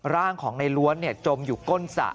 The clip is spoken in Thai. ร่างของในล้วนจมอยู่ก้นสระ